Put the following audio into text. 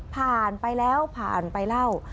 ผ่านไปแล้วผ่านไปเล่า